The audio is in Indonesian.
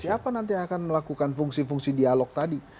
siapa nanti yang akan melakukan fungsi fungsi dialog tadi